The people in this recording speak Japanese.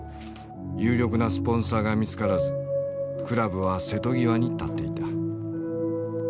有力なスポンサーが見つからずクラブは瀬戸際に立っていた。